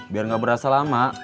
biar gak berasa lama